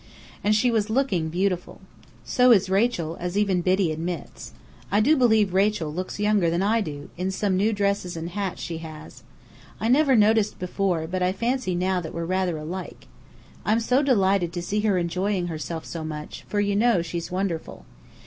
And she was looking beautiful. So is Rachel, as even Biddy admits. I do believe Rachel looks younger than I do, in some new dresses and hats she has. I never noticed before, but I fancy now that we're rather alike. I'm so delighted to see her enjoying herself so much, for you know, she's wonderful.